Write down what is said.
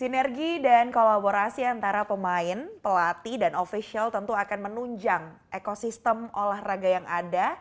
sinergi dan kolaborasi antara pemain pelatih dan ofisial tentu akan menunjang ekosistem olahraga yang ada